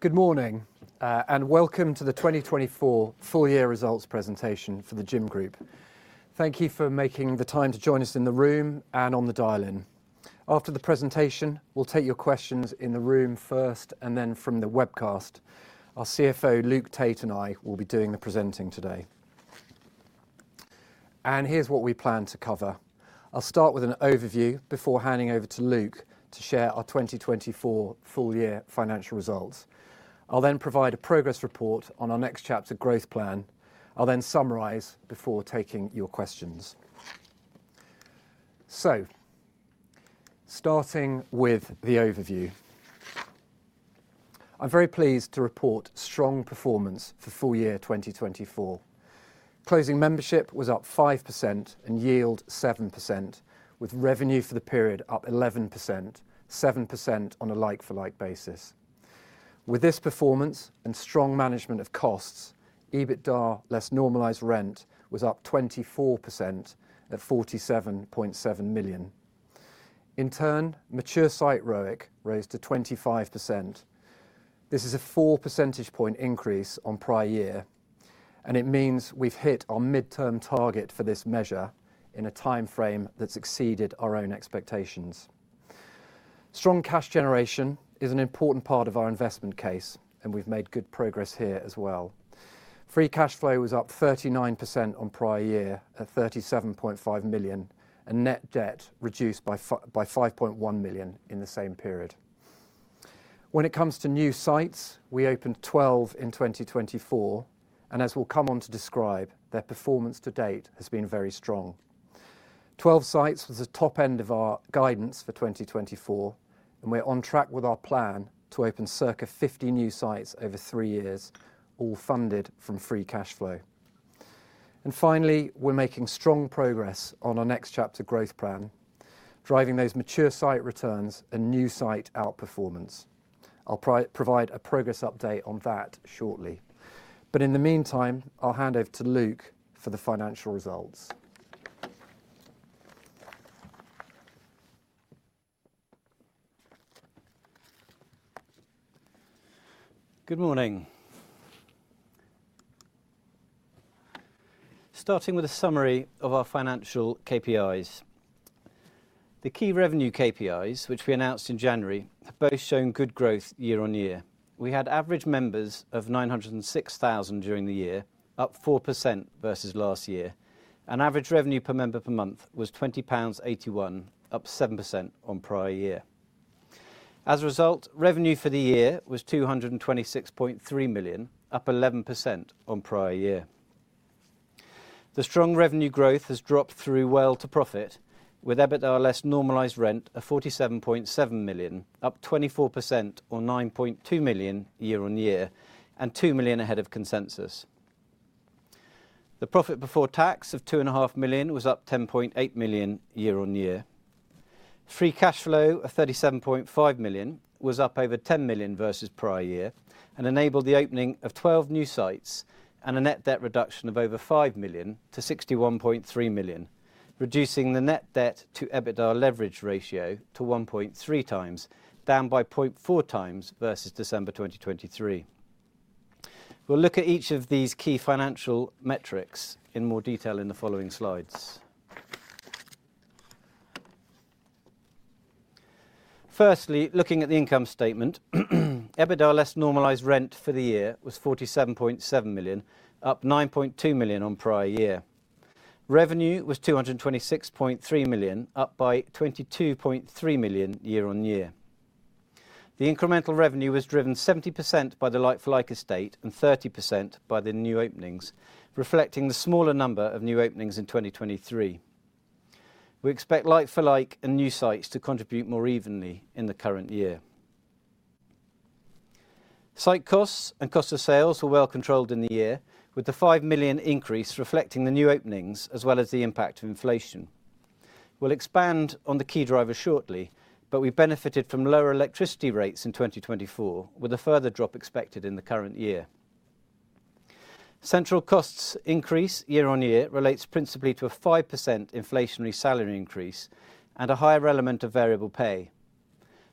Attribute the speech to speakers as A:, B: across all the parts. A: Good morning, and welcome to the 2024 full-year results presentation for The Gym Group. Thank you for making the time to join us in the room and on the dial-in. After the presentation, we will take your questions in the room first and then from the webcast. Our CFO, Luke Tait, and I will be doing the presenting today. Here is what we plan to cover. I will start with an overview before handing over to Luke to share our 2024 full-year financial results. I will then provide a progress report on our Next Chapter growth plan. i will then summarize before taking your questions. Starting with the overview, I am very pleased to report strong performance for full-year 2024. Closing membership was up 5% and yield 7%, with revenue for the period up 11%, 7% on a like-for-like basis. With this performance and strong management of costs, EBITDA less normalised rent was up 24% at 47.7 million. In turn, mature site ROIC rose to 25%. This is a 4 percentage point increase on prior year, and it means we've hit our midterm target for this measure in a timeframe that's exceeded our own expectations. Strong cash generation is an important part of our investment case, and we've made good progress here as well. Free cash flow was up 39% on prior year at 37.5 million, and net debt reduced by 5.1 million in the same period. When it comes to new sites, we opened 12 in 2024, and as we'll come on to describe, their performance to date has been very strong. Twelve sites was the top end of our guidance for 2024, and we're on track with our plan to open circa 50 new sites over three years, all funded from free cash flow. Finally, we're making strong progress on our Next Chapter growth plan, driving those mature site returns and new site outperformance. I'll provide a progress update on that shortly. In the meantime, I'll hand over to Luke for the financial results.
B: Good morning. Starting with a summary of our financial KPIs. The key revenue KPIs, which we announced in January, have both shown good growth year-on-year. We had average members of 906,000 during the year, up 4% versus last year. Average revenue per member per month was 20.81 pounds, up 7% on prior year. As a result, revenue for the year was 226.3 million, up 11% on prior year. The strong revenue growth has dropped through well to profit, with EBITDA less normalised rent of 47.7 million, up 24% or 9.2 million year-on-year, and 2 million ahead of consensus. The profit before tax of 2.5 million was up 10.8 million year-on-year. Free cash flow of 37.5 million was up over 10 million versus prior year, and enabled the opening of 12 new sites and a net debt reduction of over 5 million to 61.3 million, reducing the net debt to EBITDA leverage ratio to 1.3 times, down by 0.4 times versus December 2023. We will look at each of these key financial metrics in more detail in the following slides. Firstly, looking at the income statement, EBITDA less normalised rent for the year was 47.7 million, up 9.2 million on prior year. Revenue was 226.3 million, up by 22.3 million year-on-year. The incremental revenue was driven 70% by the like-for-like estate and 30% by the new openings, reflecting the smaller number of new openings in 2023. We expect like-for-like and new sites to contribute more evenly in the current year. Site costs and cost of sales were well controlled in the year, with the 5 million increase reflecting the new openings as well as the impact of inflation. We will expand on the key drivers shortly, but we benefited from lower electricity rates in 2024, with a further drop expected in the current year. Central costs increase year-on-year relates principally to a 5% inflationary salary increase and a higher element of variable pay.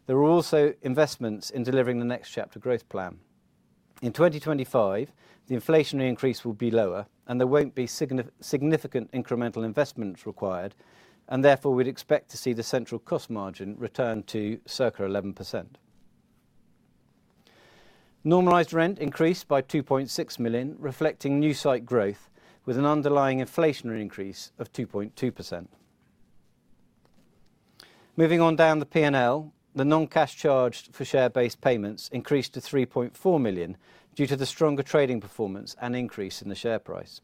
B: There were also investments in delivering the Next Chapter growth plan. In 2025, the inflationary increase will be lower, and there will not be significant incremental investments required, and therefore we would expect to see the central cost margin return to circa 11%. Normalized rent increased by 2.6 million, reflecting new site growth, with an underlying inflationary increase of 2.2%. Moving on down the P&L, the non-cash charge for share-based payments increased to 3.4 million due to the stronger trading performance and increase in the share price.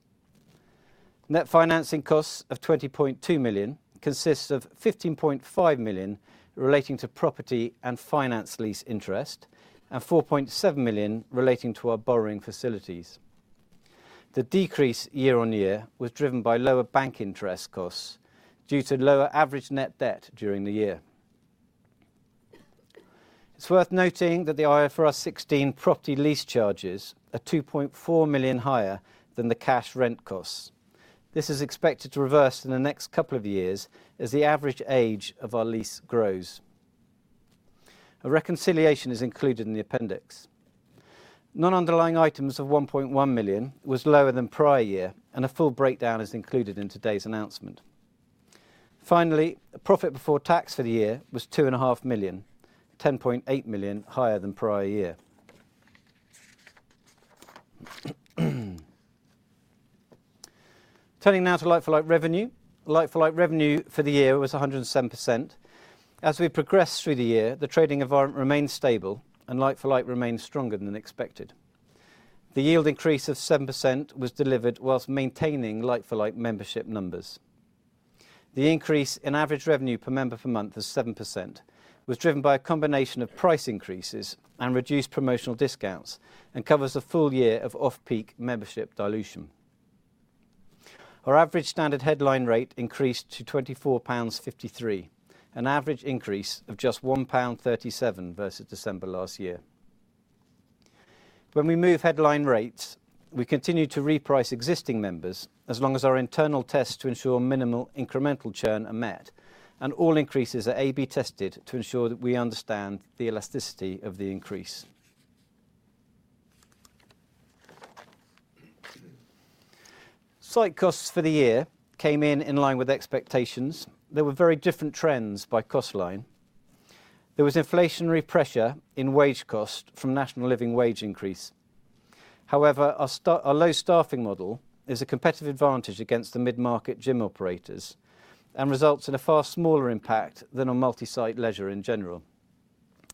B: Net financing costs of 20.2 million consist of 15.5 million relating to property and finance lease interest, and 4.7 million relating to our borrowing facilities. The decrease year-on-year was driven by lower bank interest costs due to lower average net debt during the year. It's worth noting that the IFRS 16 property lease charges are 2.4 million higher than the cash rent costs. This is expected to reverse in the next couple of years as the average age of our lease grows. A reconciliation is included in the appendix. Non-underlying items of 1.1 million was lower than prior year, and a full breakdown is included in today's announcement. Finally, profit before tax for the year was 2.5 million, 10.8 million higher than prior year. Turning now to like-for-like revenue, like-for-like revenue for the year was 107%. As we progressed through the year, the trading environment remained stable, and like-for-like remained stronger than expected. The yield increase of 7% was delivered whilst maintaining like-for-like membership numbers. The increase in average revenue per member per month was 7%, was driven by a combination of price increases and reduced promotional discounts, and covers a full year of Off-Peak membership dilution. Our average Standard headline rate increased to 24.53 pounds, an average increase of just 1.37 pound versus December last year. When we move headline rates, we continue to reprice existing members as long as our internal tests to ensure minimal incremental churn are met, and all increases are A/B tested to ensure that we understand the elasticity of the increase. Site costs for the year came in in line with expectations. There were very different trends by cost line. There was inflationary pressure in wage cost from National Living Wage increase. However, our low staffing model is a competitive advantage against the mid-market gym operators and results in a far smaller impact than on multi-site leisure in general.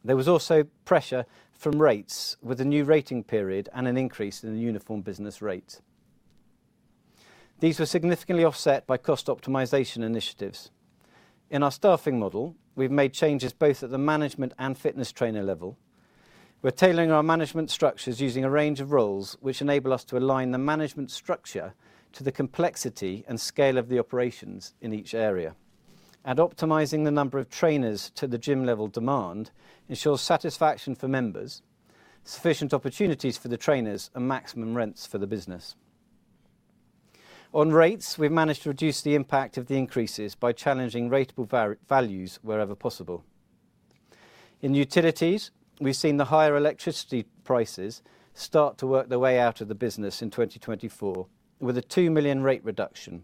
B: There was also pressure from rates with a new rating period and an increase in the Uniform Business Rate. These were significantly offset by cost optimization initiatives. In our staffing model, we've made changes both at the management and fitness trainer level. We're tailoring our management structures using a range of roles which enable us to align the management structure to the complexity and scale of the operations in each area. Optimizing the number of trainers to the gym level demand ensures satisfaction for members, sufficient opportunities for the trainers, and maximum rents for the business. On rates, we have managed to reduce the impact of the increases by challenging rateable values wherever possible. In utilities, we have seen the higher electricity prices start to work their way out of the business in 2024, with a 2 million rate reduction.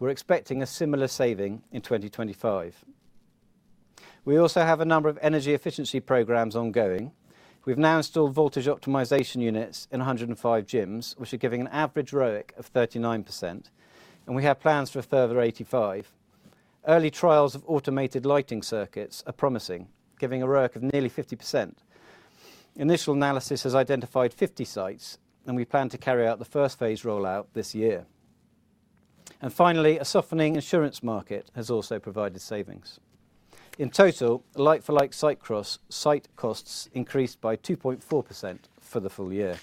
B: We are expecting a similar saving in 2025. We also have a number of energy efficiency programs ongoing. We have now installed voltage optimization units in 105 gyms, which are giving an average ROIC of 39%, and we have plans for a further 85%. Early trials of automated lighting circuits are promising, giving a ROIC of nearly 50%. Initial analysis has identified 50 sites, and we plan to carry out the first phase rollout this year. A softening insurance market has also provided savings. In total, like-for-like site costs increased by 2.4% for the full year.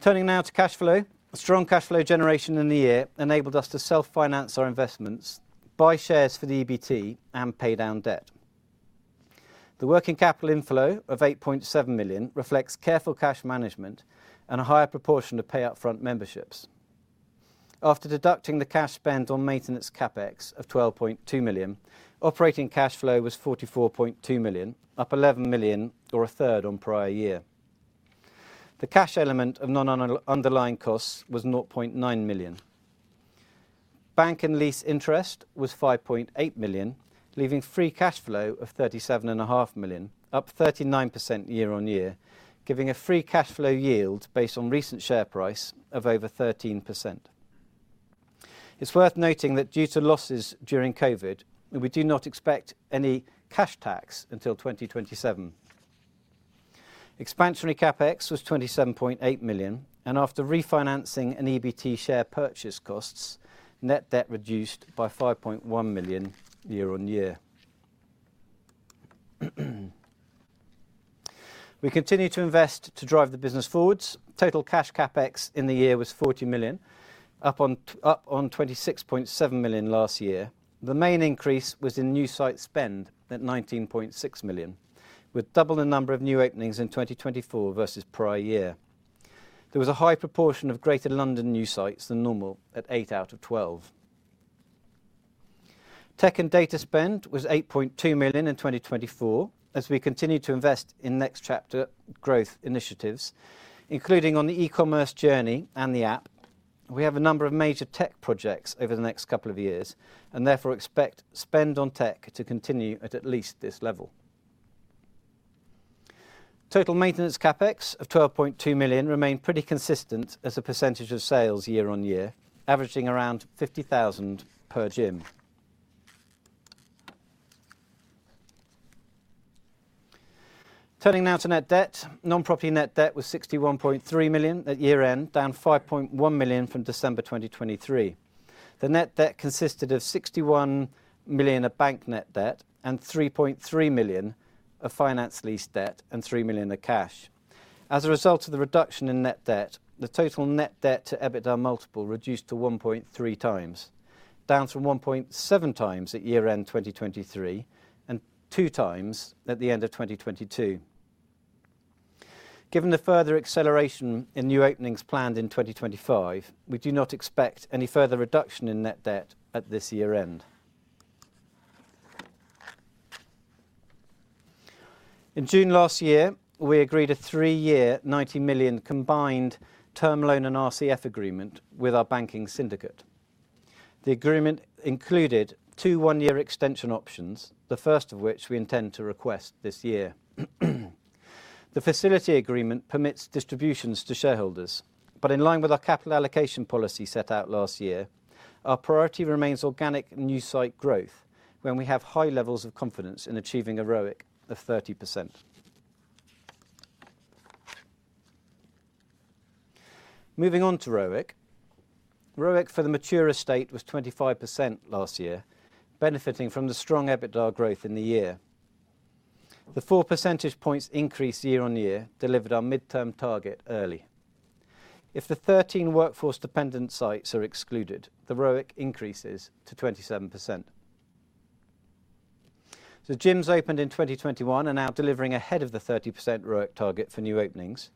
B: Turning now to cash flow, strong cash flow generation in the year enabled us to self-finance our investments, buy shares for the EBT, and pay down debt. The working capital inflow of 8.7 million reflects careful cash management and a higher proportion of pay-upfront memberships. After deducting the cash spend on maintenance CapEx of 12.2 million, operating cash flow was 44.2 million, up 11 million or a third on prior year. The cash element of non-underlying costs was 0.9 million. Bank and lease interest was 5.8 million, leaving free cash flow of 37.5 million, up 39% year-on-year, giving a free cash flow yield based on recent share price of over 13%. It's worth noting that due to losses during COVID, we do not expect any cash tax until 2027. Expansionary CapEx was 27.8 million, and after refinancing and EBT share purchase costs, net debt reduced by 5.1 million year-on-year. We continue to invest to drive the business forwards. Total cash CapEx in the year was 40 million, up on 26.7 million last year. The main increase was in new site spend at 19.6 million, with double the number of new openings in 2024 versus prior year. There was a high proportion of Greater London new sites than normal at eight out of 12. Tech and data spend was 8.2 million in 2024, as we continue to invest in Next Chapter growth initiatives, including on the e-commerce journey and the app. We have a number of major tech projects over the next couple of years, and therefore expect spend on tech to continue at at least this level. Total maintenance CapEx of 12.2 million remained pretty consistent as a percentage of sales year-on-year, averaging around 50,000 per gym. Turning now to net debt, non-property net debt was 61.3 million at year-end, down 5.1 million from December 2023. The net debt consisted of 61 million of bank net debt and 3.3 million of finance lease debt and 3 million of cash. As a result of the reduction in net debt, the total net debt to EBITDA multiple reduced to 1.3 times, down from 1.7 times at year-end 2023 and two times at the end of 2022. Given the further acceleration in new openings planned in 2025, we do not expect any further reduction in net debt at this year-end. In June last year, we agreed a three-year, 90 million combined term loan and RCF agreement with our banking syndicate. The agreement included two one-year extension options, the first of which we intend to request this year. The facility agreement permits distributions to shareholders, but in line with our capital allocation policy set out last year, our priority remains organic new site growth when we have high levels of confidence in achieving a ROIC of 30%. Moving on to ROIC, ROIC for the mature estate was 25% last year, benefiting from the strong EBITDA growth in the year. The four percentage points increase year-on-year delivered our midterm target early. If the 13 workforce-dependent sites are excluded, the ROIC increases to 27%. The gyms opened in 2021 are now delivering ahead of the 30% ROIC target for new openings,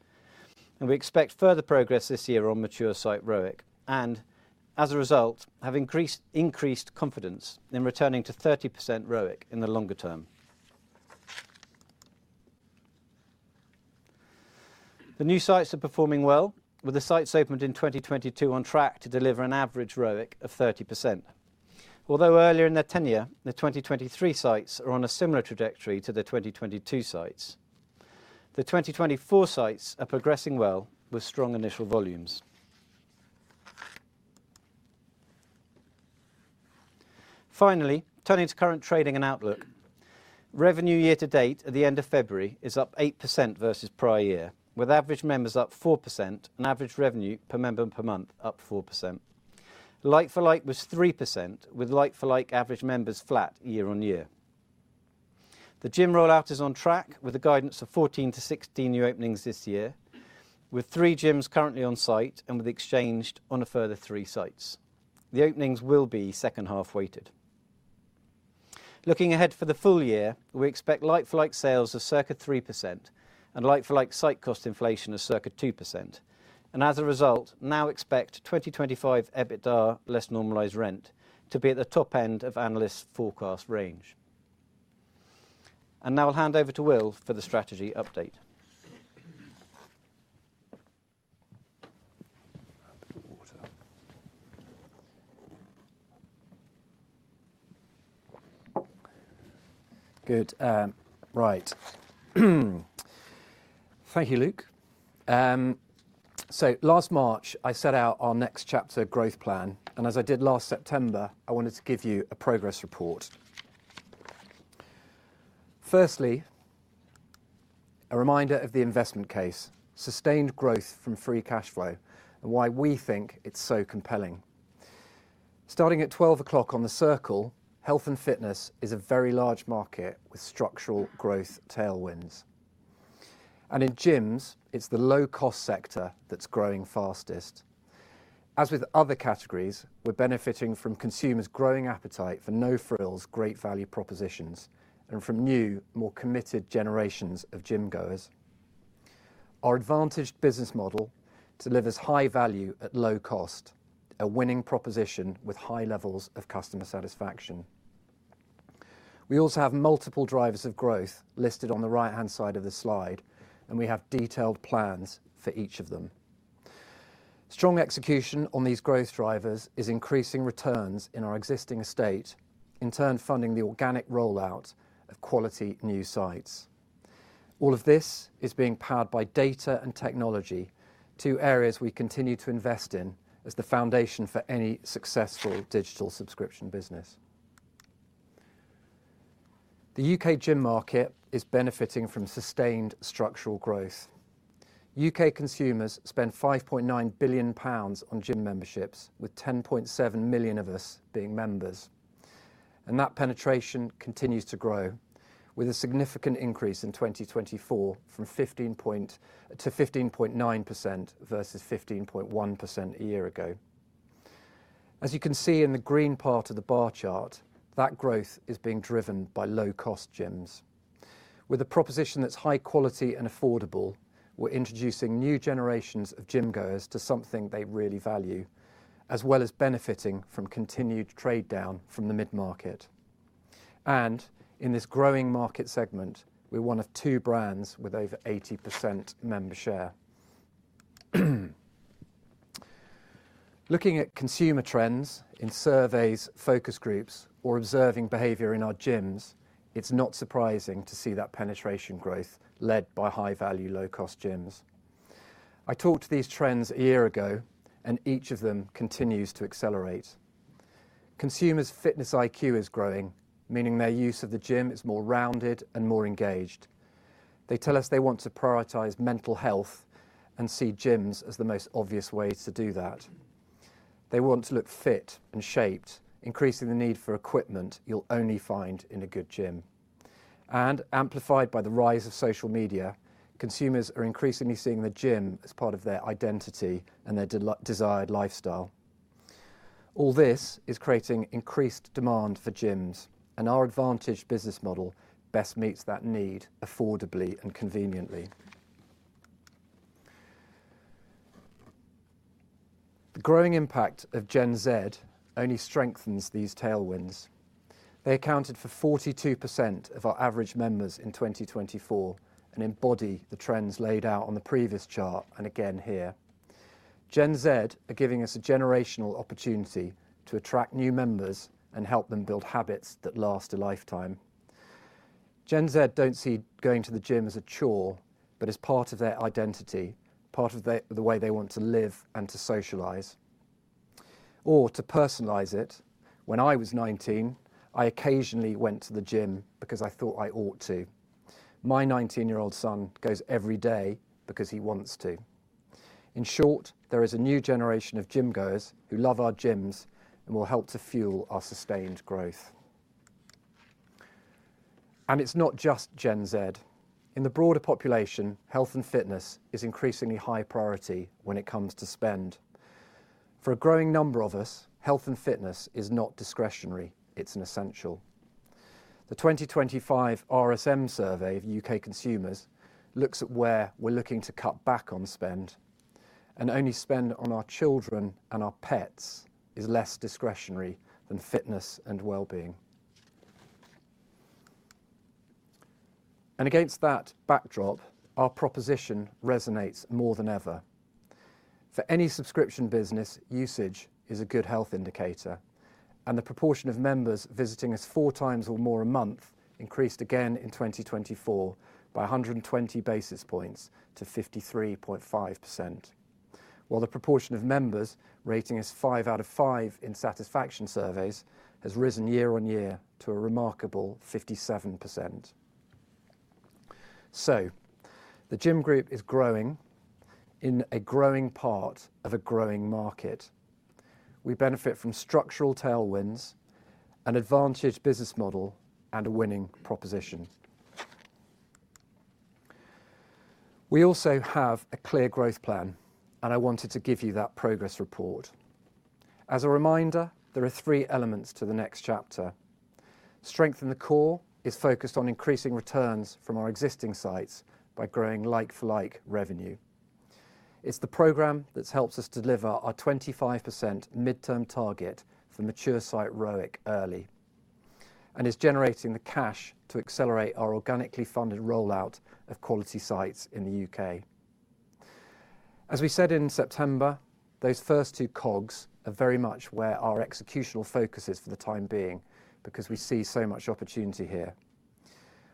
B: and we expect further progress this year on mature site ROIC and, as a result, have increased confidence in returning to 30% ROIC in the longer term. The new sites are performing well, with the sites opened in 2022 on track to deliver an average ROIC of 30%. Although earlier in their tenure, the 2023 sites are on a similar trajectory to the 2022 sites. The 2024 sites are progressing well with strong initial volumes. Finally, turning to current trading and outlook, revenue year to date at the end of February is up 8% versus prior year, with average members up 4% and average revenue per member per month up 4%. Like-for-like was 3%, with like-for-like average members flat year-on-year. The gym rollout is on track with a guidance of 14-16 new openings this year, with three gyms currently on site and we've exchanged on a further three sites. The openings will be second half weighted. Looking ahead for the full year, we expect like-for-like sales of circa 3% and like-for-like site cost inflation of circa 2%. As a result, now expect 2025 EBITDA less normalised rent to be at the top end of analysts' forecast range. Now I'll hand over to Will for the strategy update.
A: Good. Right. Thank you, Luke. Last March, I set out our Next Chapter growth plan, and as I did last September, I wanted to give you a progress report. Firstly, a reminder of the investment case, sustained growth from free cash flow, and why we think it's so compelling. Starting at 12 o'clock on the circle, health and fitness is a very large market with structural growth tailwinds. In gyms, it's the low-cost sector that's growing fastest. As with other categories, we're benefiting from consumers' growing appetite for no-frills, great value propositions, and from new, more committed generations of gym goers. Our advantaged business model delivers high value at low cost, a winning proposition with high levels of customer satisfaction. We also have multiple drivers of growth listed on the right-hand side of the slide, and we have detailed plans for each of them. Strong execution on these growth drivers is increasing returns in our existing estate, in turn funding the organic rollout of quality new sites. All of this is being powered by data and technology, two areas we continue to invest in as the foundation for any successful digital subscription business. The U.K. gym market is benefiting from sustained structural growth. U.K. consumers spend 5.9 billion pounds on gym memberships, with 10.7 million of us being members. That penetration continues to grow, with a significant increase in 2024 from 15.9% versus 15.1% a year ago. As you can see in the green part of the bar chart, that growth is being driven by low-cost gyms. With a proposition that's high quality and affordable, we're introducing new generations of gym goers to something they really value, as well as benefiting from continued trade down from the mid-market. In this growing market segment, we're one of two brands with over 80% member share. Looking at consumer trends in surveys, focus groups, or observing behavior in our gyms, it's not surprising to see that penetration growth led by high-value, low-cost gyms. I talked to these trends a year ago, and each of them continues to accelerate. Consumers' fitness IQ is growing, meaning their use of the gym is more rounded and more engaged. They tell us they want to prioritize mental health and see gyms as the most obvious way to do that. They want to look fit and shaped, increasing the need for equipment you'll only find in a good gym. Amplified by the rise of social media, consumers are increasingly seeing the gym as part of their identity and their desired lifestyle. All this is creating increased demand for gyms, and our advantaged business model best meets that need affordably and conveniently. The growing impact of Gen Z only strengthens these tailwinds. They accounted for 42% of our average members in 2024 and embody the trends laid out on the previous chart and again here. Gen Z are giving us a generational opportunity to attract new members and help them build habits that last a lifetime. Gen Z do not see going to the gym as a chore, but as part of their identity, part of the way they want to live and to socialize. To personalize it, when I was 19, I occasionally went to the gym because I thought I ought to. My 19-year-old son goes every day because he wants to. In short, there is a new generation of gym goers who love our gyms and will help to fuel our sustained growth. It is not just Gen Z. In the broader population, health and fitness is increasingly high priority when it comes to spend. For a growing number of us, health and fitness is not discretionary; it is essential. The 2025 RSM survey of U.K. consumers looks at where we're looking to cut back on spend, and only spend on our children and our pets is less discretionary than fitness and well-being. Against that backdrop, our proposition resonates more than ever. For any subscription business, usage is a good health indicator, and the proportion of members visiting us four times or more a month increased again in 2024 by 120 basis points to 53.5%, while the proportion of members rating us five out of five in satisfaction surveys has risen year-on-year to a remarkable 57%. The Gym Group is growing in a growing part of a growing market. We benefit from structural tailwinds, an advantaged business model, and a winning proposition. We also have a clear growth plan, and I wanted to give you that progress report. As a reminder, there are three elements to the Next Chapter. Strengthen the Core is focused on increasing returns from our existing sites by growing like-for-like revenue. It is the program that has helped us deliver our 25% midterm target for mature site ROIC early, and it is generating the cash to accelerate our organically funded rollout of quality sites in the U.K. As we said in September, those first two cogs are very much where our executional focus is for the time being because we see so much opportunity here.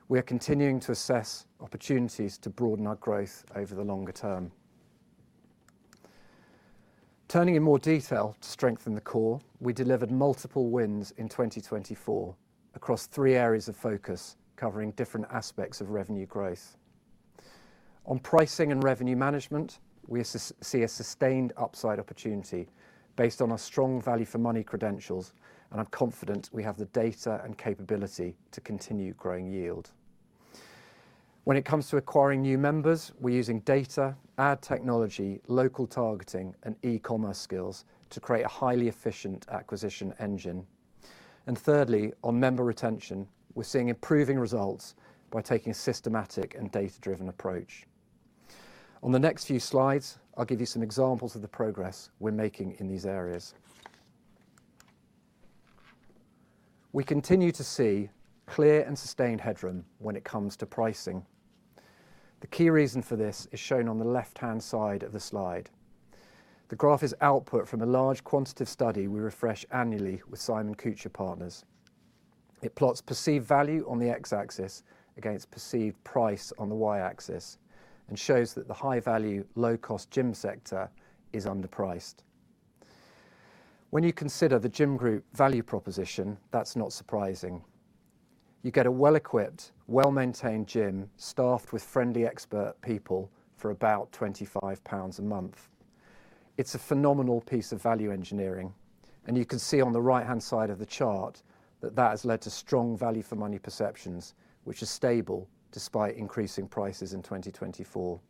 A: We are continuing to assess opportunities to broaden our growth over the longer term. Turning in more detail to strengthen the core, we delivered multiple wins in 2024 across three areas of focus covering different aspects of revenue growth. On pricing and revenue management, we see a sustained upside opportunity based on our strong value for money credentials, and I'm confident we have the data and capability to continue growing yield. When it comes to acquiring new members, we're using data, ad technology, local targeting, and e-commerce skills to create a highly efficient acquisition engine. Thirdly, on member retention, we're seeing improving results by taking a systematic and data-driven approach. On the next few slides, I'll give you some examples of the progress we're making in these areas. We continue to see clear and sustained headroom when it comes to pricing. The key reason for this is shown on the left-hand side of the slide. The graph is output from a large quantitative study we refresh annually with Simon-Kucher & Partners. It plots perceived value on the X-axis against perceived price on the Y-axis and shows that the high-value, low-cost gym sector is underpriced. When you consider The Gym Group value proposition, that's not surprising. You get a well-equipped, well-maintained gym staffed with friendly expert people for about 25 pounds a month. It's a phenomenal piece of value engineering, and you can see on the right-hand side of the chart that that has led to strong value for money perceptions, which are stable despite increasing prices in 2024.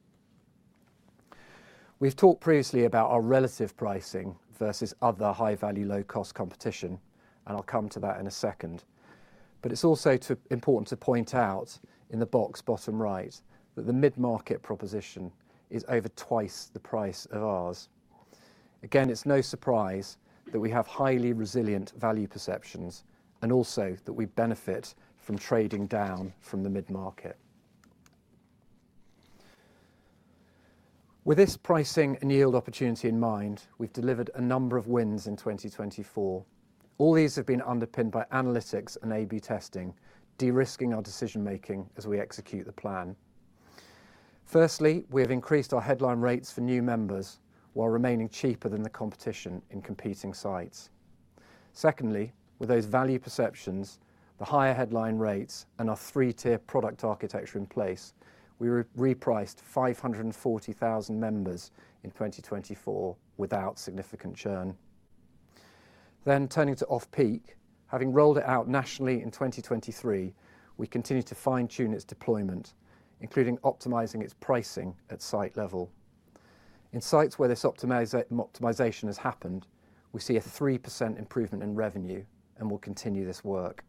A: We've talked previously about our relative pricing versus other high-value, low-cost competition, and I'll come to that in a second. It's also important to point out in the box bottom right that the mid-market proposition is over twice the price of ours. Again, it's no surprise that we have highly resilient value perceptions and also that we benefit from trading down from the mid-market. With this pricing and yield opportunity in mind, we've delivered a number of wins in 2024. All these have been underpinned by analytics and A/B testing, de-risking our decision-making as we execute the plan. Firstly, we have increased our headline rates for new members while remaining cheaper than the competition in competing sites. Secondly, with those value perceptions, the higher headline rates and our three-tier product architecture in place, we repriced 540,000 members in 2024 without significant churn. Turning to Off-Peak, having rolled it out nationally in 2023, we continue to fine-tune its deployment, including optimizing its pricing at site level. In sites where this optimization has happened, we see a 3% improvement in revenue and will continue this work.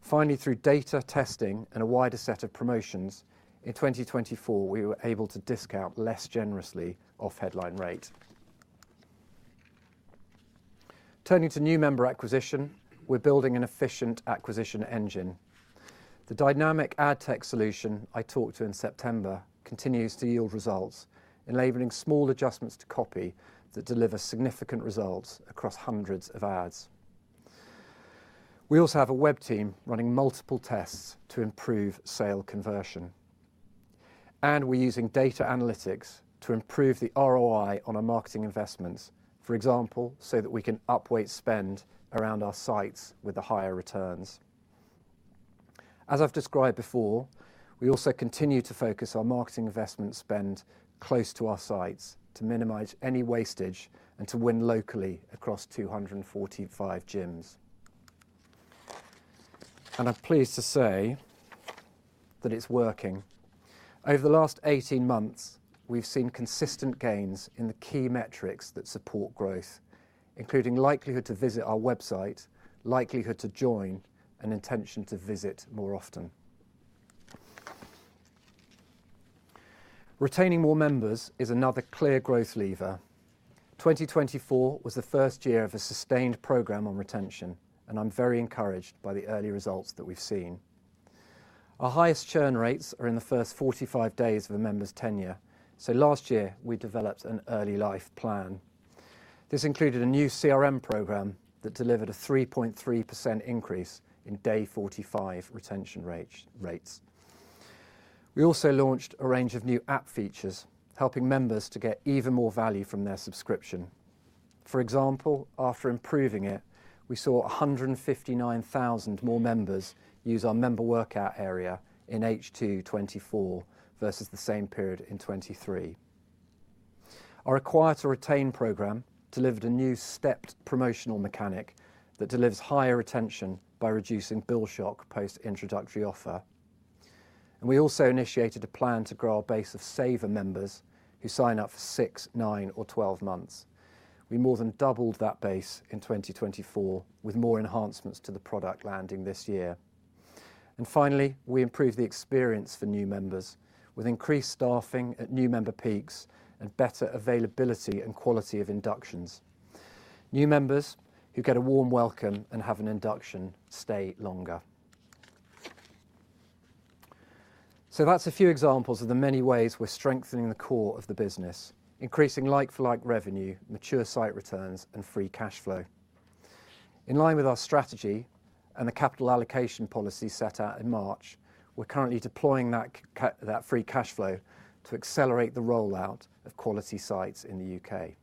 A: Finally, through data testing and a wider set of promotions, in 2024, we were able to discount less generously off-headline rate. Turning to new member acquisition, we're building an efficient acquisition engine. The dynamic ad tech solution I talked to in September continues to yield results, enabling small adjustments to copy that deliver significant results across hundreds of ads. We also have a web team running multiple tests to improve sale conversion. We're using data analytics to improve the ROI on our marketing investments, for example, so that we can upweight spend around our sites with the higher returns. As I've described before, we also continue to focus our marketing investment spend close to our sites to minimize any wastage and to win locally across 245 gyms. I'm pleased to say that it's working. Over the last 18 months, we've seen consistent gains in the key metrics that support growth, including likelihood to visit our website, likelihood to join, and intention to visit more often. Retaining more members is another clear growth lever. 2024 was the first year of a sustained program on retention, and I'm very encouraged by the early results that we've seen. Our highest churn rates are in the first 45 days of a member's tenure, so last year we developed an early life plan. This included a new CRM program that delivered a 3.3% increase in day 45 retention rates. We also launched a range of new app features, helping members to get even more value from their subscription. For example, after improving it, we saw 159,000 more members use our member workout area in H2 2024 versus the same period in 2023. Our acquire-to-retain program delivered a new stepped promotional mechanic that delivers higher retention by reducing bill shock post-introductory offer. We also initiated a plan to grow our base of Saver members who sign up for six, nine, or twelve months. We more than doubled that base in 2024 with more enhancements to the product landing this year. Finally, we improved the experience for new members with increased staffing at new member peaks and better availability and quality of inductions. New members who get a warm welcome and have an induction stay longer. That is a few examples of the many ways we are strengthening the core of the business, increasing like-for-like revenue, mature site returns, and free cash flow. In line with our strategy and the capital allocation policy set out in March, we're currently deploying that free cash flow to accelerate the rollout of quality sites in the U.K.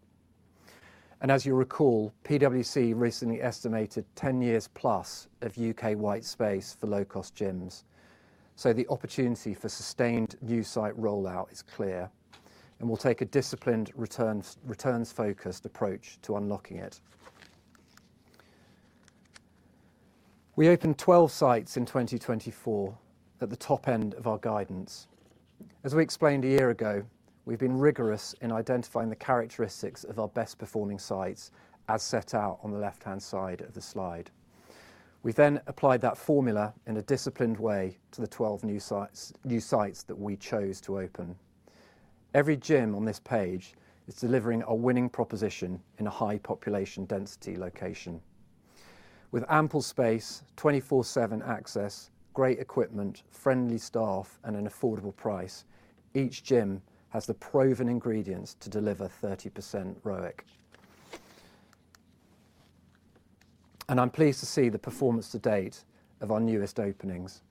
A: As you'll recall, PwC recently estimated 10 years plus of U.K. white space for low-cost gyms. The opportunity for sustained new site rollout is clear, and we'll take a disciplined returns-focused approach to unlocking it. We opened 12 sites in 2024 at the top end of our guidance. As we explained a year ago, we've been rigorous in identifying the characteristics of our best-performing sites as set out on the left-hand side of the slide. We then applied that formula in a disciplined way to the 12 new sites that we chose to open. Every gym on this page is delivering a winning proposition in a high population density location. With ample space, 24/7 access, great equipment, friendly staff, and an affordable price, each gym has the proven ingredients to deliver 30% ROIC. I am pleased to see the performance to date of our newest openings.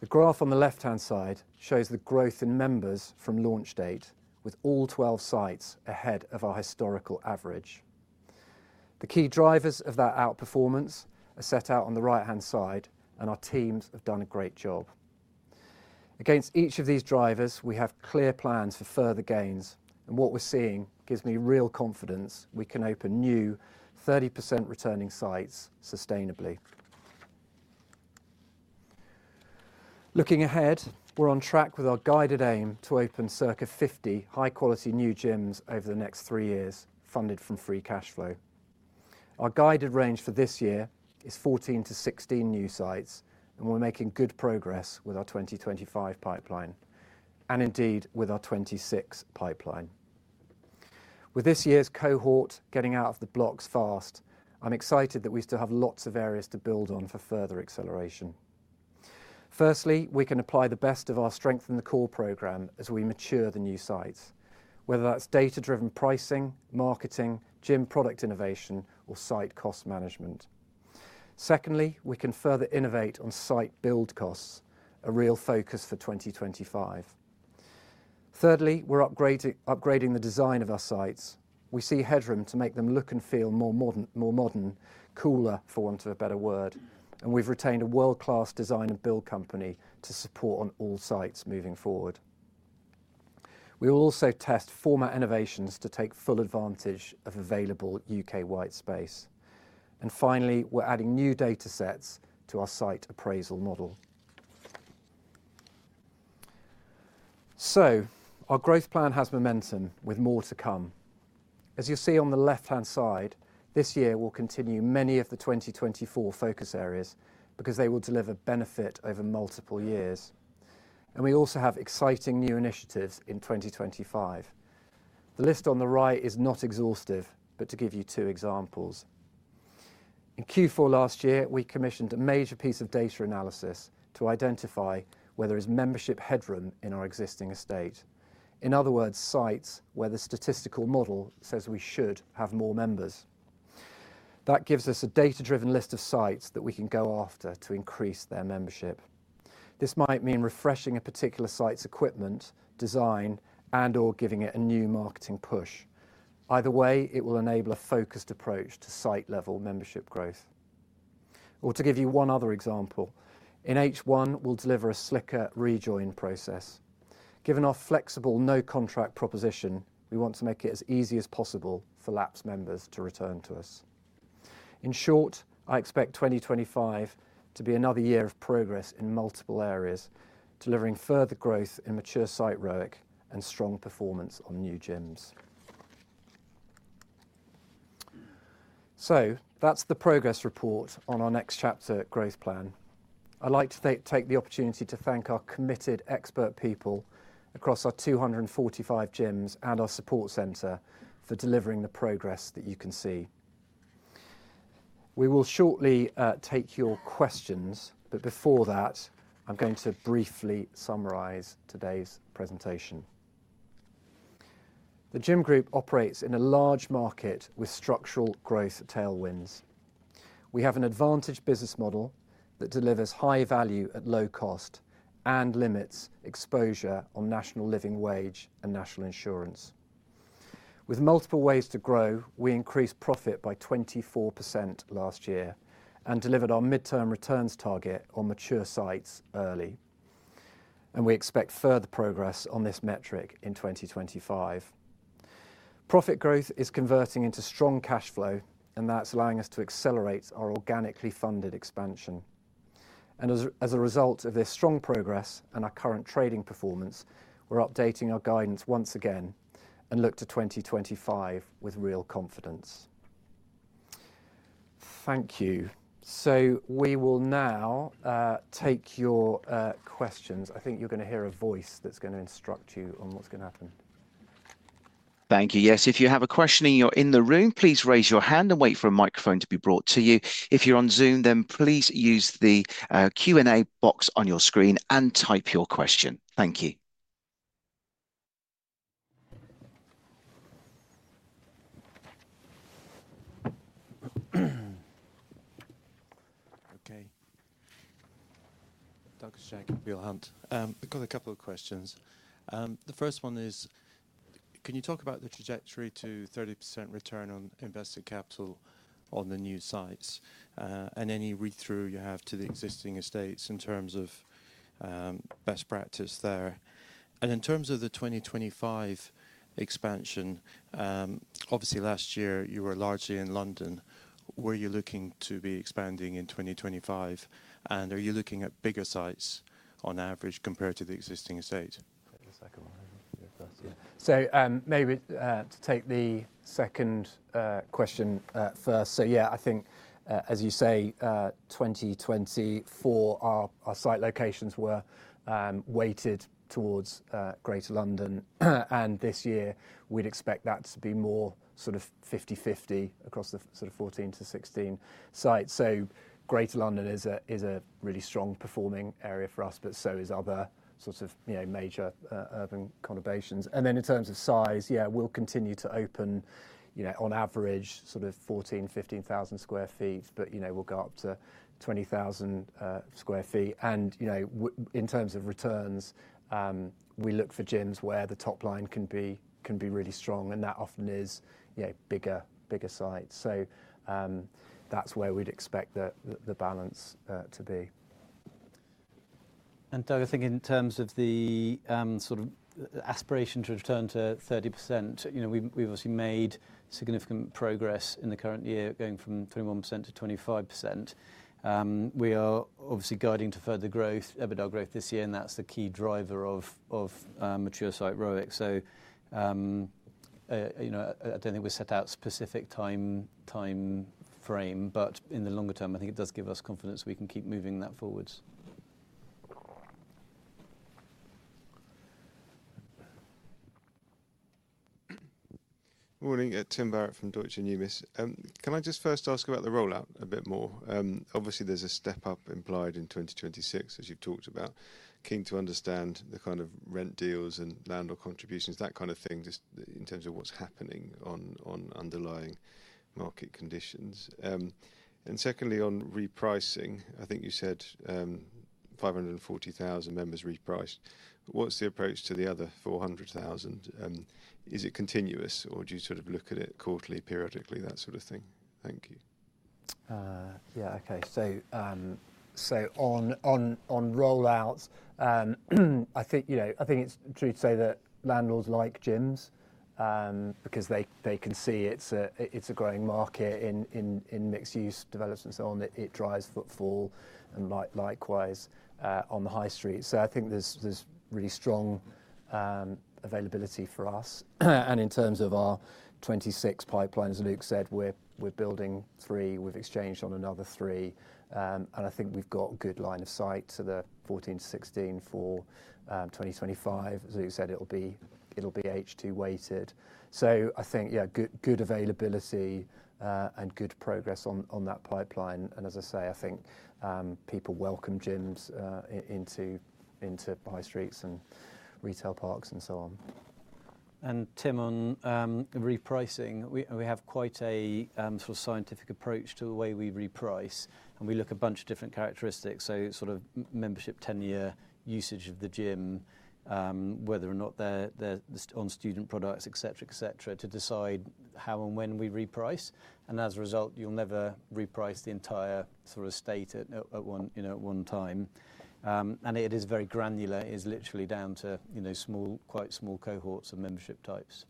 A: The graph on the left-hand side shows the growth in members from launch date with all 12 sites ahead of our historical average. The key drivers of that outperformance are set out on the right-hand side, and our teams have done a great job. Against each of these drivers, we have clear plans for further gains, and what we are seeing gives me real confidence we can open new 30% returning sites sustainably. Looking ahead, we are on track with our guided aim to open circa 50 high-quality new gyms over the next three years, funded from free cash flow. Our guided range for this year is 14-16 new sites, and we're making good progress with our 2025 pipeline and indeed with our 2026 pipeline. With this year's cohort getting out of the blocks fast, I'm excited that we still have lots of areas to build on for further acceleration. Firstly, we can apply the best of our strength in the core program as we mature the new sites, whether that's data-driven pricing, marketing, gym product innovation, or site cost management. Secondly, we can further innovate on site build costs, a real focus for 2025. Thirdly, we're upgrading the design of our sites. We see headroom to make them look and feel more modern, cooler, for want of a better word, and we've retained a world-class design and build company to support on all sites moving forward. We will also test former innovations to take full advantage of available U.K. white space. Finally, we're adding new data sets to our site appraisal model. Our growth plan has momentum with more to come. As you'll see on the left-hand side, this year will continue many of the 2024 focus areas because they will deliver benefit over multiple years. We also have exciting new initiatives in 2025. The list on the right is not exhaustive, but to give you two examples. In Q4 last year, we commissioned a major piece of data analysis to identify whether there is membership headroom in our existing estate. In other words, sites where the statistical model says we should have more members. That gives us a data-driven list of sites that we can go after to increase their membership. This might mean refreshing a particular site's equipment, design, and/or giving it a new marketing push. Either way, it will enable a focused approach to site-level membership growth. To give you one other example, in H1, we'll deliver a slicker rejoin process. Given our flexible no-contract proposition, we want to make it as easy as possible for lapsed members to return to us. In short, I expect 2025 to be another year of progress in multiple areas, delivering further growth in mature site ROIC and strong performance on new gyms. That is the progress report on our Next Chapter growth plan. i would like to take the opportunity to thank our committed expert people across our 245 gyms and our support center for delivering the progress that you can see. We will shortly take your questions, but before that, I am going to briefly summarize today's presentation. The Gym Group operates in a large market with structural growth at tailwinds. We have an advantage business model that delivers high value at low cost and limits exposure on National Living Wage and National Insurance. With multiple ways to grow, we increased profit by 24% last year and delivered our midterm returns target on mature sites early. We expect further progress on this metric in 2025. Profit growth is converting into strong cash flow, and that is allowing us to accelerate our organically funded expansion. As a result of this strong progress and our current trading performance, we are updating our guidance once again and look to 2025 with real confidence. Thank you. We will now take your questions. I think you are going to hear a voice that is going to instruct you on what is going to happen.
C: Thank you. Yes, if you have a question and you're in the room, please raise your hand and wait for a microphone to be brought to you. If you're on Zoom, then please use the Q&A box on your screen and type your question. Thank you.
D: Okay. Douglas Jack, Peel Hunt. I've got a couple of questions. The first one is, can you talk about the trajectory to 30% return on invested capital on the new sites and any read-through you have to the existing estates in terms of best practice there? In terms of the 2025 expansion, obviously last year you were largely in London. Were you looking to be expanding in 2025? Are you looking at bigger sites on average compared to the existing estate?
A: Take the second one. Maybe to take the second question first. Yeah, I think, as you say, 2024, our site locations were weighted towards Greater London. This year, we'd expect that to be more sort of 50-50 across the sort of 14-16 sites. Greater London is a really strong performing area for us, but so is other sort of major urban conurbations. In terms of size, yeah, we'll continue to open on average sort of 14,000-15,000 sq ft, but we'll go up to 20,000 sq ft. In terms of returns, we look for gyms where the top line can be really strong, and that often is bigger sites. That's where we'd expect the balance to be.
B: Doug, I think in terms of the sort of aspiration to return to 30%, we've obviously made significant progress in the current year going from 21%-25%. We are obviously guiding to further growth, EBITDA growth this year, and that's the key driver of mature site ROIC. I don't think we've set out a specific time frame, but in the longer term, I think it does give us confidence we can keep moving that forwards.
E: Morning, Tim Barrett from Deutsche Numis. Can I just first ask about the rollout a bit more? There's a step up implied in 2026, as you've talked about. Keen to understand the kind of rent deals and landlord contributions, that kind of thing, just in terms of what's happening on underlying market conditions. Secondly, on repricing, I think you said 540,000 members repriced. What's the approach to the other 400,000? Is it continuous, or do you sort of look at it quarterly, periodically, that sort of thing? Thank you.
A: Yeah, okay. On rollouts, I think it's true to say that landlords like gyms because they can see it's a growing market in mixed-use developments and so on. It drives footfall and likewise on the high street. I think there's really strong availability for us. In terms of our 2026 pipelines, Luke said, we're building three. We've exchanged on another three. I think we've got a good line of sight to the 14-16 for 2025. As Luke said, it'll be H2 weighted. I think, yeah, good availability and good progress on that pipeline. As I say, I think people welcome gyms into high streets and retail parks and so on.
B: Tim, on repricing, we have quite a sort of scientific approach to the way we reprice. We look at a bunch of different characteristics, so sort of membership, tenure, usage of the gym, whether or not they're on student products, etc., etc., to decide how and when we reprice. As a result, you'll never reprice the entire sort of estate at one time. It is very granular. It is literally down to quite small cohorts of membership types.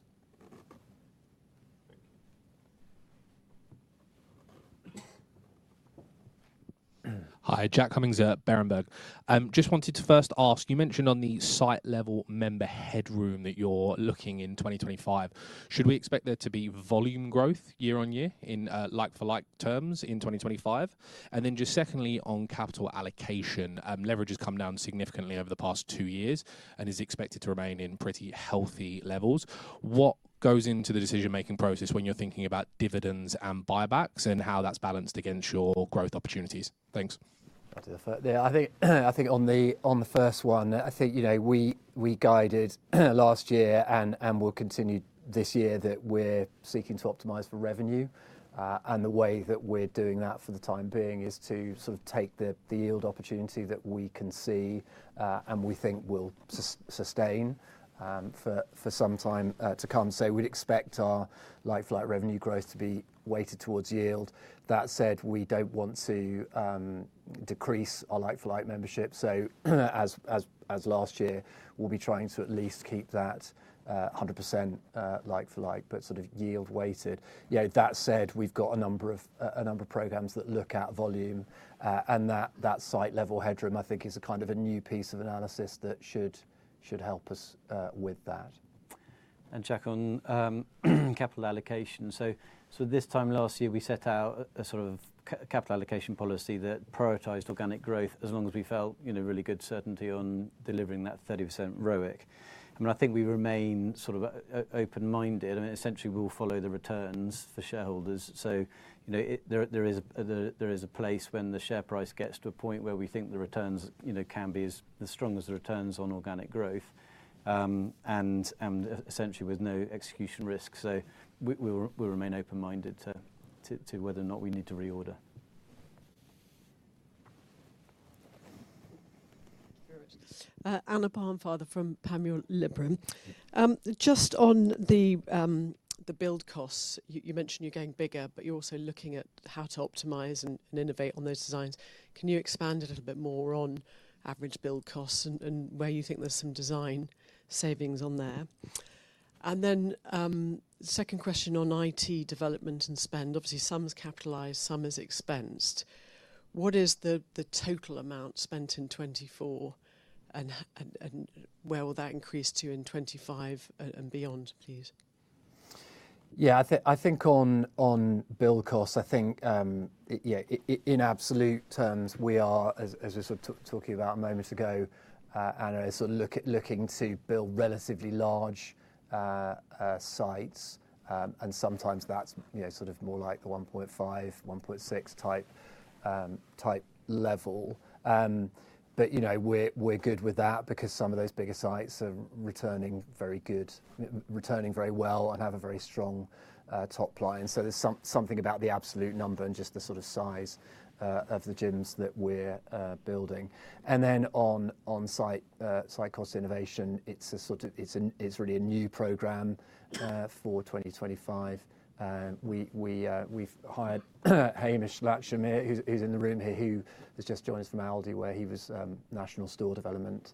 F: Hi, Jack Cummings at Berenberg. Just wanted to first ask, you mentioned on the site-level member headroom that you're looking in 2025, should we expect there to be volume growth year-on-year in like-for-like terms in 2025? Just secondly, on capital allocation, leverage has come down significantly over the past two years and is expected to remain in pretty healthy levels. What goes into the decision-making process when you're thinking about dividends and buybacks and how that's balanced against your growth opportunities? Thanks.
A: I think on the first one, I think we guided last year and will continue this year that we're seeking to optimize for revenue. The way that we're doing that for the time being is to sort of take the yield opportunity that we can see and we think will sustain for some time to come. We would expect our like-for-like revenue growth to be weighted towards yield. That said, we do not want to decrease our like-for-like membership. As last year, we will be trying to at least keep that 100% like-for-like, but sort of yield-weighted. That said, we have a number of programs that look at volume. That site-level headroom, I think, is a kind of a new piece of analysis that should help us with that.
B: Jack, on capital allocation. This time last year, we set out a sort of capital allocation policy that prioritized organic growth as long as we felt really good certainty on delivering that 30% ROIC. I mean, I think we remain sort of open-minded. I mean, essentially, we'll follow the returns for shareholders. There is a place when the share price gets to a point where we think the returns can be as strong as the returns on organic growth and essentially with no execution risk. We'll remain open-minded to whether or not we need to reorder.
G: Anna Barnfather from Panmure Liberum. Just on the build costs, you mentioned you're going bigger, but you're also looking at how to optimize and innovate on those designs. Can you expand a little bit more on average build costs and where you think there's some design savings on there? Then second question on IT development and spend. Obviously, some is capitalized, some is expensed. What is the total amount spent in 2024, and where will that increase to in 2025 and beyond, please?
A: Yeah, I think on build costs, I think in absolute terms, we are, as we were sort of talking about a moment ago, sort of looking to build relatively large sites. Sometimes that is more like the 1.5-1.6 type level. We are good with that because some of those bigger sites are returning very good, returning very well, and have a very strong top line. There is something about the absolute number and just the sort of size of the gyms that we are building. On site cost innovation, it is really a new program for 2025. We've hired Hamish Latchem here, who's in the room here, who has just joined us from Aldi, where he was National Store Development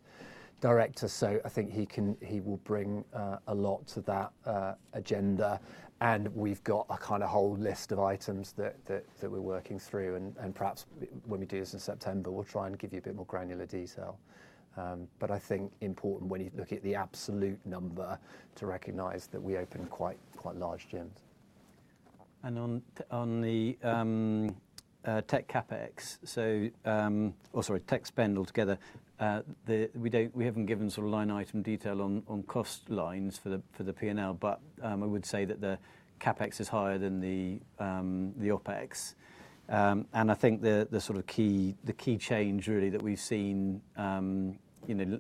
A: Director. I think he will bring a lot to that agenda. We've got a kind of whole list of items that we're working through. Perhaps when we do this in September, we'll try and give you a bit more granular detail. I think important when you look at the absolute number to recognize that we open quite large gyms.
B: On the tech CapEx, or sorry, tech spend altogether, we haven't given sort of line item detail on cost lines for the P&L, but I would say that the CapEx is higher than the OpEx. I think the sort of key change, really, that we've seen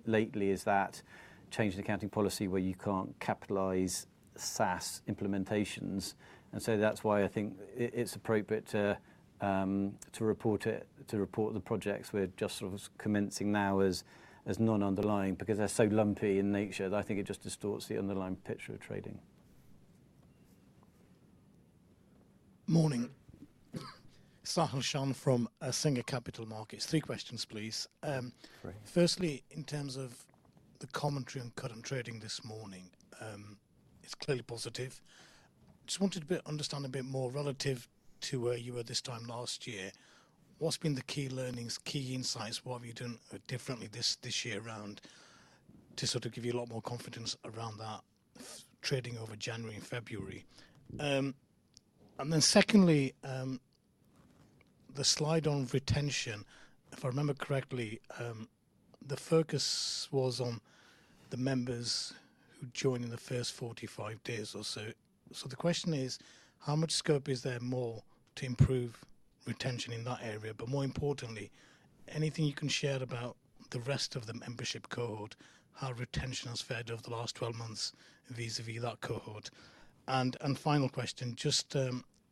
B: lately is that change in accounting policy where you can't capitalize SaaS implementations. That's why I think it's appropriate to report the projects we're just sort of commencing now as non-underlying because they're so lumpy in nature that I think it just distorts the underlying picture of trading.
H: Morning. Sahil Shan from Singer Capital Markets. Three questions, please. Firstly, in terms of the commentary on current trading this morning, it's clearly positive. Just wanted to understand a bit more relative to where you were this time last year. What's been the key learnings, key insights? What have you done differently this year around to sort of give you a lot more confidence around that trading over January and February? Secondly, the slide on retention, if I remember correctly, the focus was on the members who joined in the first 45 days or so. The question is, how much scope is there more to improve retention in that area? But more importantly, anything you can share about the rest of the membership cohort, how retention has fared over the last 12 months vis-à-vis that cohort? Final question, just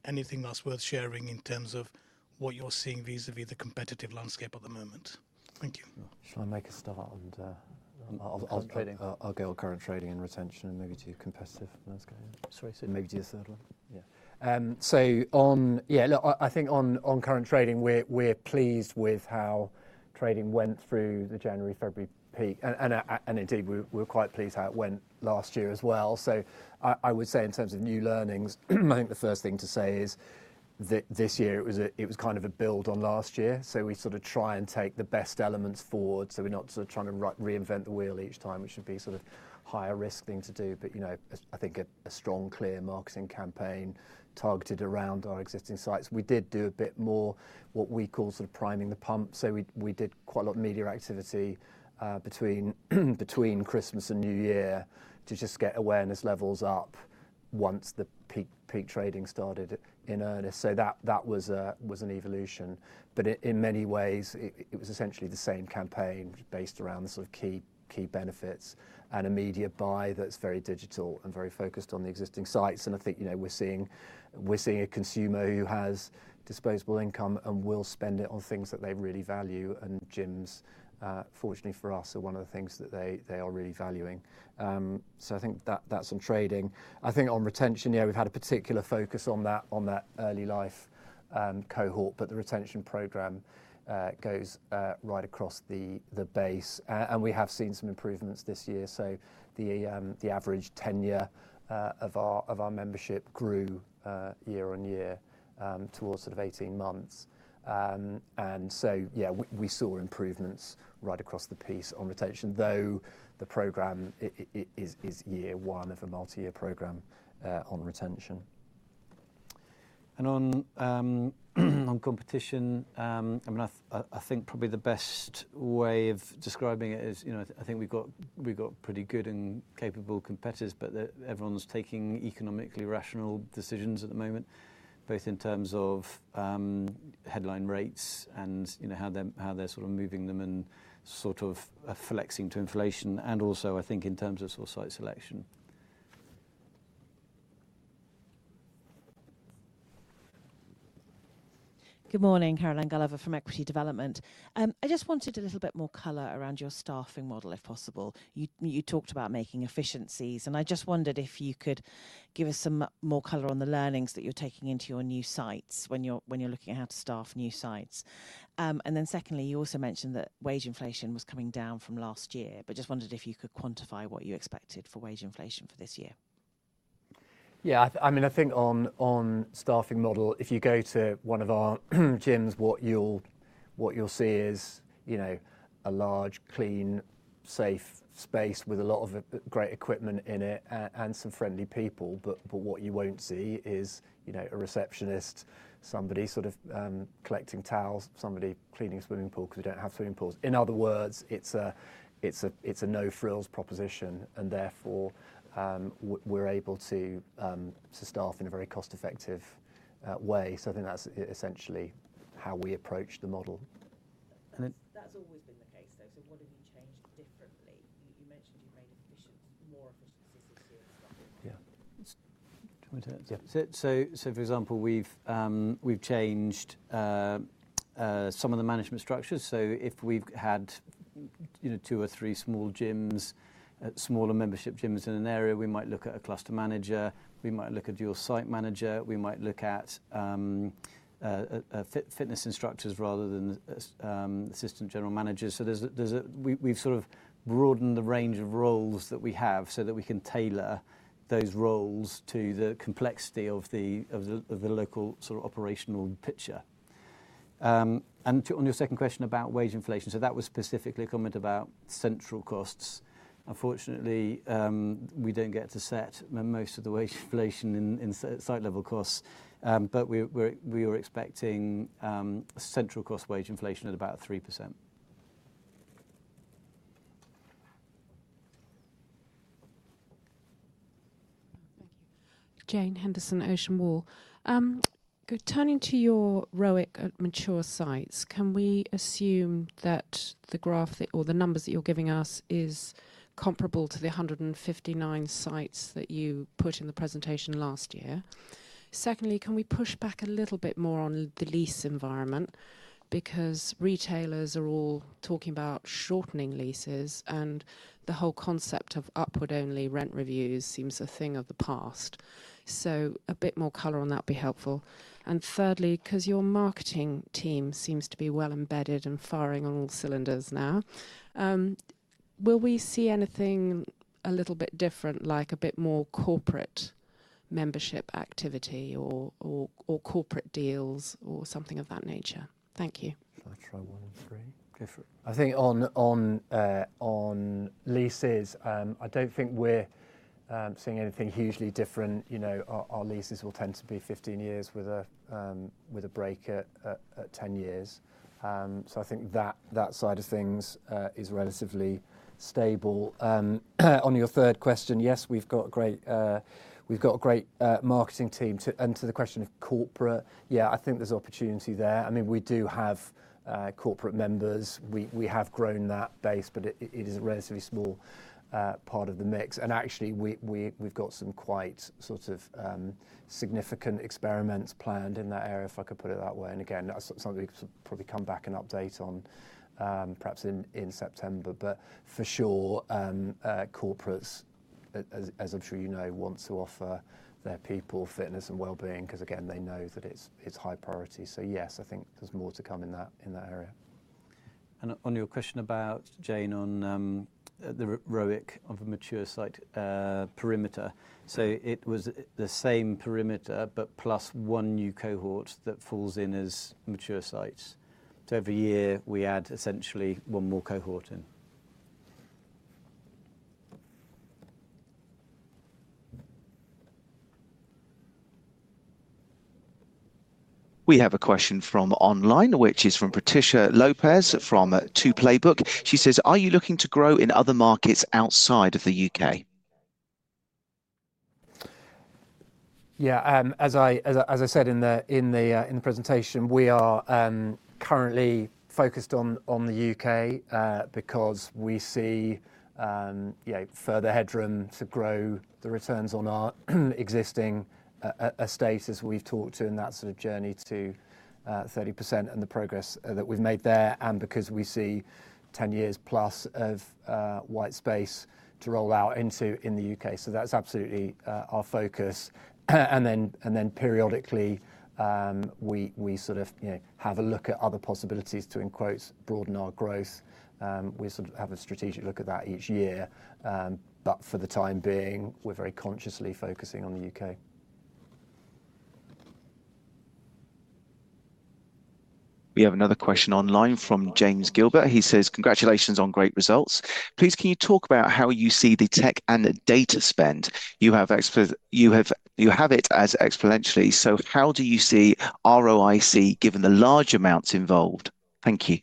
H: anything that's worth sharing in terms of what you're seeing vis-à-vis the competitive landscape at the moment? Thank you.
A: Shall I make a start? I'll go on current trading and retention and maybe to competitive landscape. Sorry, say that again. Maybe to your third one. Yeah. I think on current trading, we're pleased with how trading went through the January-February peak. Indeed, we're quite pleased how it went last year as well. I would say in terms of new learnings, I think the first thing to say is that this year, it was kind of a build on last year. We sort of try and take the best elements forward. We're not sort of trying to reinvent the wheel each time, which would be sort of a higher risk thing to do. I think a strong, clear marketing campaign targeted around our existing sites. We did do a bit more what we call sort of priming the pump. We did quite a lot of media activity between Christmas and New Year to just get awareness levels up once the peak trading started in earnest. That was an evolution. In many ways, it was essentially the same campaign based around sort of key benefits and a media buy that's very digital and very focused on the existing sites. I think we're seeing a consumer who has disposable income and will spend it on things that they really value. Gyms, fortunately for us, are one of the things that they are really valuing. I think that's on trading. I think on retention, yeah, we've had a particular focus on that early life cohort, but the retention program goes right across the base. We have seen some improvements this year. The average tenure of our membership grew year-on-year towards sort of 18 months. Yeah, we saw improvements right across the piece on retention, though the program is year one of a multi-year program on retention.
B: On competition, I mean, I think probably the best way of describing it is I think we've got pretty good and capable competitors, but everyone's taking economically rational decisions at the moment, both in terms of headline rates and how they're sort of moving them and sort of flexing to inflation. Also, I think in terms of sort of site selection.
I: Good morning, Caroline Gulliver from Equity Development. I just wanted a little bit more color around your staffing model, if possible. You talked about making efficiencies. I just wondered if you could give us some more color on the learnings that you're taking into your new sites when you're looking at how to staff new sites. Secondly, you also mentioned that wage inflation was coming down from last year, but just wondered if you could quantify what you expected for wage inflation for this year.
A: Yeah, I mean, I think on staffing model, if you go to one of our gyms, what you'll see is a large, clean, safe space with a lot of great equipment in it and some friendly people. What you won't see is a receptionist, somebody sort of collecting towels, somebody cleaning a swimming pool because we don't have swimming pools. In other words, it's a no-frills proposition. Therefore, we're able to staff in a very cost-effective way. I think that's essentially how we approach the model.
I: That's always been the case, though. What have you changed differently? You mentioned you've made more efficiencies this year in staffing. Yeah.
B: For example, we've changed some of the management structures. If we've had two or three small gyms, smaller membership gyms in an area, we might look at a cluster manager. We might look at your site manager. We might look at fitness instructors rather than assistant general managers. We've sort of broadened the range of roles that we have so that we can tailor those roles to the complexity of the local sort of operational picture. On your second question about wage inflation, that was specifically a comment about central costs. Unfortunately, we don't get to set most of the wage inflation in site-level costs, but we were expecting central cost wage inflation at about 3%.
J: Thank you. Jane Henderson, Ocean Wall. Turning to your ROIC at mature sites, can we assume that the graph or the numbers that you're giving us is comparable to the 159 sites that you put in the presentation last year? Secondly, can we push back a little bit more on the lease environment? Because retailers are all talking about shortening leases, and the whole concept of upward-only rent reviews seems a thing of the past. A bit more color on that would be helpful. Thirdly, because your marketing team seems to be well embedded and firing on all cylinders now, will we see anything a little bit different, like a bit more corporate membership activity or corporate deals or something of that nature? Thank you.
A: I'll try one or three. I think on leases, I don't think we're seeing anything hugely different. Our leases will tend to be 15 years with a break at 10 years. I think that side of things is relatively stable. On your third question, yes, we've got a great marketing team. To the question of corporate, yeah, I think there's opportunity there. I mean, we do have corporate members. We have grown that base, but it is a relatively small part of the mix. Actually, we've got some quite sort of significant experiments planned in that area, if I could put it that way. Again, that's something we could probably come back and update on perhaps in September. For sure, corporates, as I'm sure you know, want to offer their people fitness and well-being because, again, they know that it's high priority. Yes, I think there's more to come in that area.
B: On your question about, Jane, on the ROIC of a mature site perimeter, it was the same perimeter, but plus one new cohort that falls in as mature sites. Every year, we add essentially one more cohort in.
C: We have a question from online, which is from Patricia López from 2Playbook. She says, "Are you looking to grow in other markets outside of the U.K.?"
A: Yeah, as I said in the presentation, we are currently focused on the U.K. because we see further headroom to grow the returns on our existing estate as we've talked to in that sort of journey to 30% and the progress that we've made there. We see 10 years plus of white space to roll out into in the U.K. That's absolutely our focus. Then periodically, we sort of have a look at other possibilities to, in quotes, broaden our growth. We sort of have a strategic look at that each year. For the time being, we are very consciously focusing on the U.K.
C: We have another question online from James Gilbert. He says, "Congratulations on great results. Please, can you talk about how you see the tech and data spend? You have it as exponentially. How do you see ROIC given the large amounts involved?" Thank you.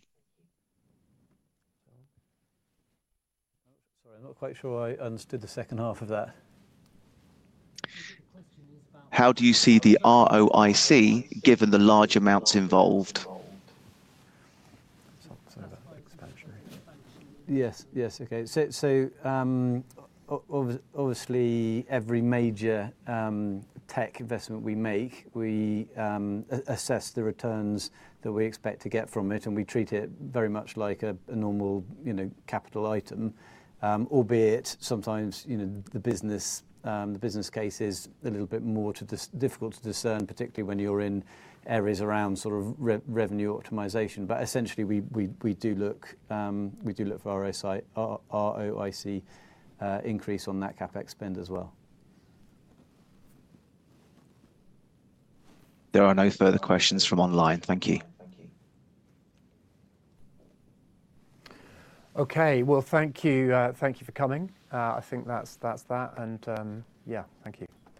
B: Sorry, I am not quite sure I understood the second half of that.
C: How do you see the ROIC given the large amounts involved?
B: Yes, yes. Obviously, every major tech investment we make, we assess the returns that we expect to get from it. We treat it very much like a normal capital item, albeit sometimes the business case is a little bit more difficult to discern, particularly when you're in areas around sort of revenue optimization. Essentially, we do look for ROIC increase on that CapEx spend as well.
C: There are no further questions from online. Thank you.
A: Thank you. Okay. Thank you for coming. I think that's that. Yeah, thank you.